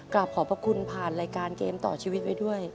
กลับขอบพระคุณผ่านรายการเกมต่อชีวิตไว้ด้วย